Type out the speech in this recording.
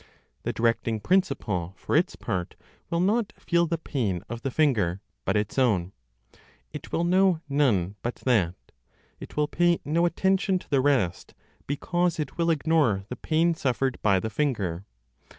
The directing principle, for its part, will not feel the pain of the finger, but its own; it will know none but that, it will pay no attention to the rest, because it will ignore the pain suffered by the finger.